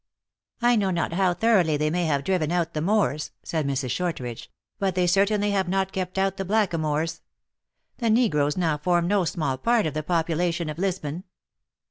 " I know not how thoroughly they may have driven out the Moors," said Mrs. Shortridge, " but they cer tainly have not kept out the black a moors. The ne groes now form no small part of the population of Lisbon."